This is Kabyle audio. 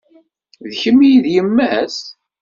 D kemm i d yemma-s?